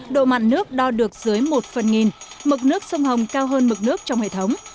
độ mặn nước đo được dưới một phần nghìn mực nước sông hồng cao hơn mực nước trong hệ thống